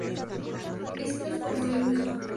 Éxitos: Cuando estoy lejos de ti.